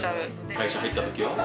会社入ったときは？